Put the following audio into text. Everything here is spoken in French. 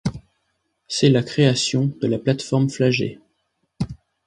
C'est la création de la Plate-Forme Flagey.